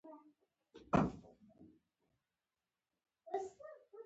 د هغوی راتګ هېڅ شونتیا نه لرله.